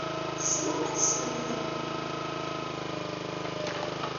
Tessnem ad teslemdem.